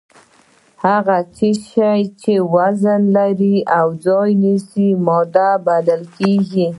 هر هغه شی چې وزن ولري او ځای ونیسي ماده بلل کیږي